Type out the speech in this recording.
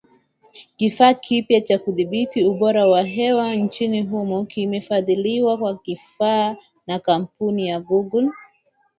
Kifaa kipya cha kudhibiti ubora wa hewa nchini humo kimefadhiliwa kwa kiasi na kampuni ya Google